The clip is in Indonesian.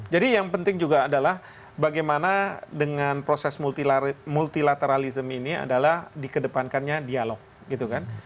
yang penting juga adalah bagaimana dengan proses multilateralism ini adalah dikedepankannya dialog gitu kan